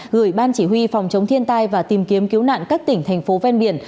gửi ban chỉ huy phòng chống thiên tai và tìm kiếm cứu nạn các tỉnh thành phố ven biển